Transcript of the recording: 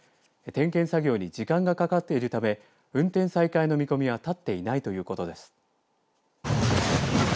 点検作業に時間がかかっているため運転再開の見込みは立っていないということです。